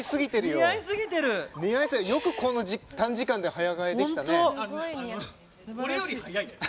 よくこんな短時間で早替えできたね。